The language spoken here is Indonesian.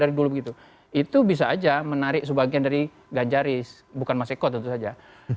dari dulu begitu itu bisa aja menarik sebagian dari ganjaris bukan mas eko tentu saja